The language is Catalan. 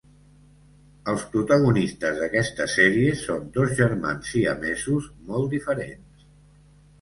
Els protagonistes d'aquesta sèrie són dos germans siamesos molt diferents.